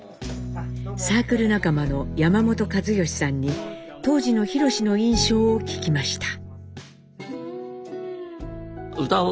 サークル仲間の山本和好さんに当時の弘史の印象を聞きました。